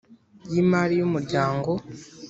Y imari y umuryango